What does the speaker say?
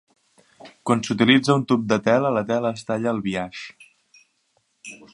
Quan s'utilitza un tub de tela, la tela es talla al biaix.